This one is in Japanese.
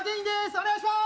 お願いしまーす！